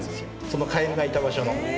そのカエルがいた場所の。